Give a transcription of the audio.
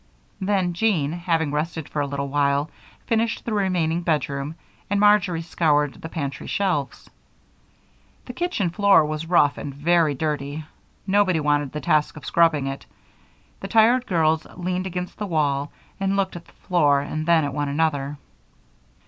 Then Jean, having rested for a little while, finished the remaining bedroom and Marjory scoured the pantry shelves. The kitchen floor was rough and very dirty. Nobody wanted the task of scrubbing it. The tired girls leaned against the wall and looked at the floor and then at one another.